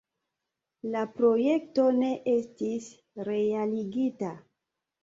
La projekto ne estis realigita.